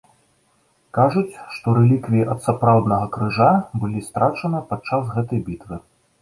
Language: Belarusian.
Кажуць, што рэліквіі ад сапраўднага крыжа былі страчаныя падчас гэтай бітвы.